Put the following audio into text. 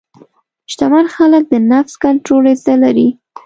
شتمن خلک د نفس کنټرول زده لري.